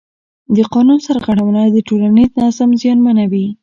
د قانون سرغړونه د ټولنیز نظم زیانمنوي